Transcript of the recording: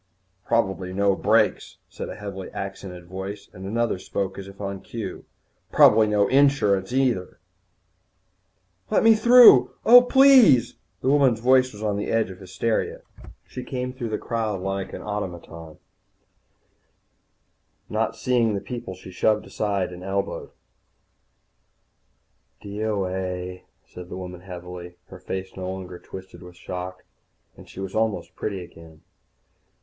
"Probably no brakes," said a heavily accented voice, and another spoke as if on cue, "Probably no insurance, neither." "Let me through! Oh, please " The woman's voice was on the edge of hysteria. She came through the crowd like an automaton, not seeing the people she shoved and elbowed aside. "D.O.A.," said the woman heavily. Her face was no longer twisted with shock, and she was almost pretty again.